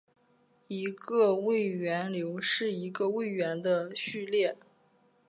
一个位元流是一个位元的序列。